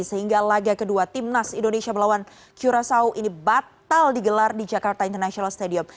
sehingga laga kedua timnas indonesia melawan curasao ini batal digelar di jakarta international stadium